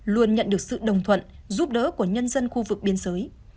luôn nhận được sự đồng thuận giúp đỡ của nhân dân khu vực biên giới